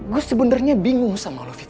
gue sebenarnya bingung sama lo viv